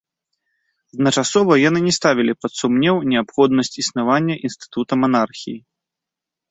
Адначасова яны не ставілі пад сумнеў неабходнасць існавання інстытута манархіі.